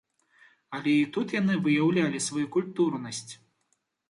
Але і тут яны выяўлялі сваю культурнасць.